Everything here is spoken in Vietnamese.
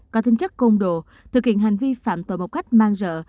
có tinh chất công đồ thực hiện hành vi phạm tội một cách mang rợ